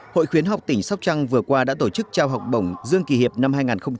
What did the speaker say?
hội khuyến học tỉnh sóc trăng vừa qua đã tổ chức trao học bổng dương kỳ hiệp năm hai nghìn một mươi chín